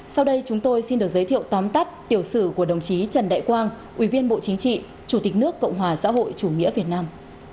sau đây chúng tôi xin được giới thiệu tóm tắt tiểu sử của đồng chí trần đại quang ủy viên bộ chính trị chủ tịch nước cộng hòa xã hội chủ nghĩa việt nam